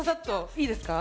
いいですか？